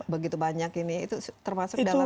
begitu banyak ini itu termasuk dalam